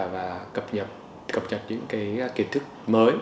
và cập nhật những kiến thức mới